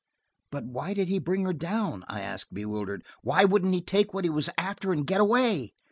"But why did he bring her down?" I asked bewildered. "Why wouldn't he take what he was after and get away?"